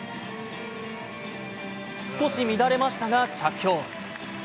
少し乱れましたが着氷。